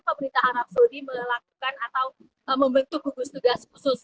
pemerintah arab saudi melakukan atau membentuk gugus tugas khusus